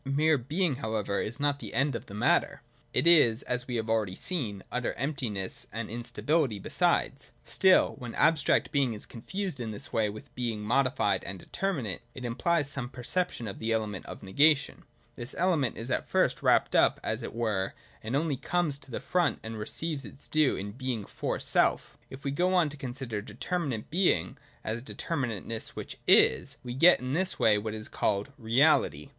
Mere being however is not the end of the matter :— it is, as we have already seen, utter emptiness and instability besides. Still, when abstract being is confused in this way vwth being modified and determinate, it imphes some perception of the fact that, though in determinate being there is involved an element of negation, this element is at first wrapped up, as it were, and only c^mes to the front and receives its due in Being for self. ^ we go on to consider determinate Being as a determinateness which is, we get in this way what is called Reality.